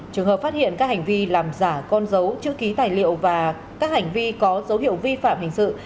trường hợp phát hiện các hành vi làm giả con dấu chữ ký tài liệu và các hành vi có dấu hiệu vi phạm hình sự